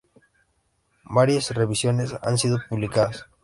Varias revisiones han sido publicadas.